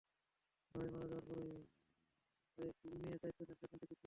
ভাই মারা যাওয়ার পরই ভাইয়ের দুই মেয়ের দায়িত্ব নেন—সেখান থেকে শুরু।